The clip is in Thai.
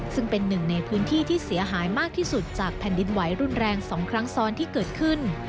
ซึ่งเป็นหนึ่งในพื้นที่ที่เสียหายมากที่สุดจากแผ่นดินไหวรุนแรง๒ครั้งซ้อนที่เกิดขึ้น